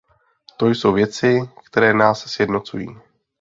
To jsou věci, které nás sjednocují.